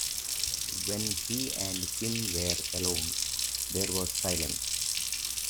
When he and Quinn were alone, there was silence.